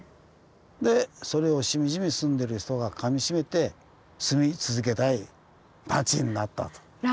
でそれをしみじみ住んでる人がかみしめて住み続けたい町になったと。